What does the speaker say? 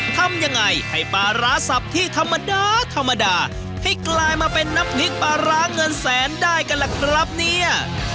ทำยังไงให้ปลาร้าสับที่ธรรมดาธรรมดาให้กลายมาเป็นน้ำพริกปลาร้าเงินแสนได้กันล่ะครับเนี่ย